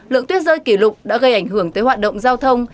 lượng tuyết rơi kỷ lục đã gây ảnh hưởng tới hoạt động giao thông